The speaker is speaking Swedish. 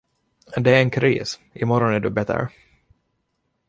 Det är en kris, i morgon är du bättre.